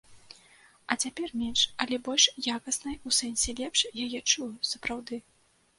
А цяпер менш, але больш якаснай, у сэнсе, лепш яе чую, сапраўды.